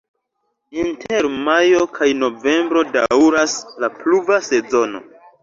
Inter majo kaj novembro daŭras la pluva sezono.